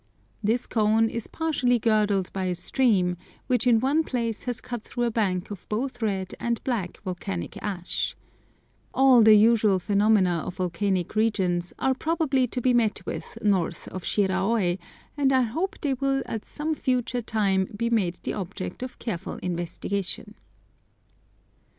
This cone is partially girdled by a stream, which in one place has cut through a bank of both red and black volcanic ash. All the usual phenomena of volcanic regions are probably to be met with north of Shiraôi, and I hope they will at some future time be made the object of careful investigation.